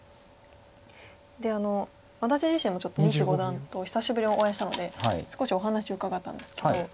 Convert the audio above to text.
で私自身もちょっと西五段と久しぶりにお会いしたので少しお話を伺ったんですけど。